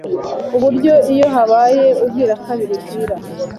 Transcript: ku buryo iyo habaye ubwirakabiri bwira